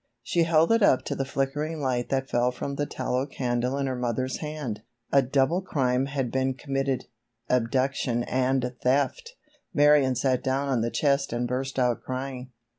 She held it up to the flickering light that fell from the tallow candle in her mother's hand. A double crime had been committed—abduction and theft. Marion sat down on the chest and burst out crying.